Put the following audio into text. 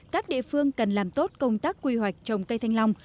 các địa phương cần làm tốt công tác quy hoạch trồng cây thanh long